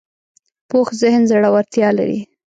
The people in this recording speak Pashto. پوخ ذهن زړورتیا لري